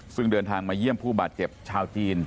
ซึ่งเดินทางมาเยี่ยมผู้บาดเจ็บชาวจีน